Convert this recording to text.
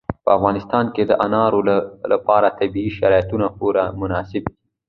په افغانستان کې د انارو لپاره طبیعي شرایط پوره مناسب دي.